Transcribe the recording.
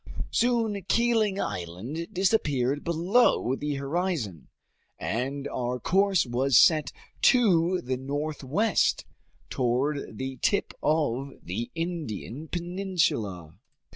Soon Keeling Island disappeared below the horizon, and our course was set to the northwest, toward the tip of the Indian peninsula.